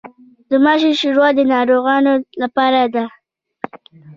د ماشو شوروا د ناروغانو لپاره ده.